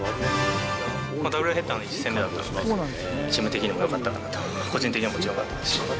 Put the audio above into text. ダブルヘッダーの１戦目だったので、チーム的にもよかったかなと、個人的にももちろんよかったですし。